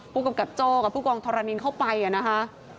ผู้กำกับโจ้กับผู้กองธรณินเข้าไปนะคะ